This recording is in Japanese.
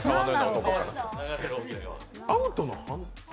アウトの反対？